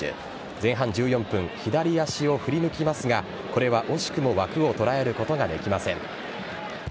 前半１４分、左足を振り抜きますが、これは惜しくも枠を捉えることができません。